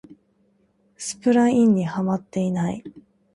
スプラインにハマってない